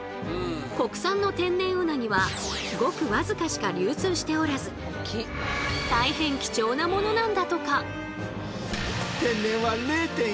国産の天然うなぎはごくわずかしか流通しておらず大変貴重なものなんだとか。